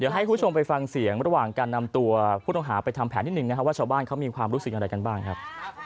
ให้คุณผู้ชมไปฟังเสียงระหว่างการนำตัวผู้ต้องหาไปทำแผนนิดนึงนะครับว่าชาวบ้านเขามีความรู้สึกอะไรกันบ้างครับ